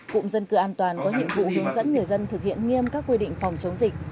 cụm dân cư an toàn có nhiệm vụ hướng dẫn người dân thực hiện nghiêm các quy định phòng chống dịch